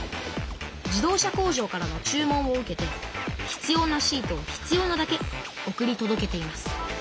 自動車工場からの注文を受けて必要なシートを必要なだけ送りとどけています。